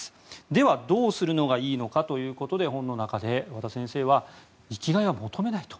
では、どうするのがいいのかということで本の中で和田先生は生きがいは求めないと。